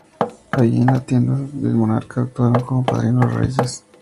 Allí, en la tienda del monarca, actuaron como padrinos los reyes.